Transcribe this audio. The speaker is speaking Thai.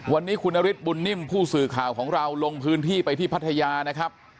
วันนี้คุณนฤทธบุญนิ่มผู้สื่อข่าวของเราลงพื้นที่ไปที่พัทยานะครับ